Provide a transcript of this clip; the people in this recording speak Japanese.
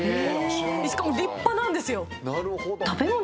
しかも立派なんですよ。